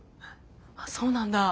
あそうなんだ。